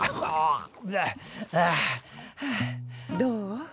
どう？